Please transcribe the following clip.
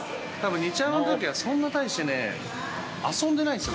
日ハムのときはそんな大して遊んでないんですよ。